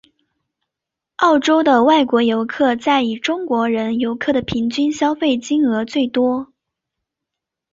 澳洲的外国游客在以中国人游客的平均消费金额最多。